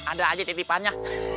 ada aja titipannya